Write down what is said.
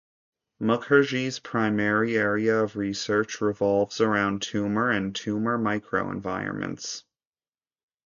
Mukherjee’s primary area of research revolves around tumor and tumor microenvironments.